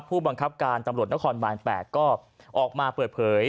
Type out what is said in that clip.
ผู้บังคับการตำรวจนครบาน๘ก็ออกมาเปิดเผย